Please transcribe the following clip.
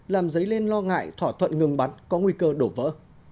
làm dấy lên lo ngại thỏa thuận ngừng bắn có nguy cơ đổ vỡ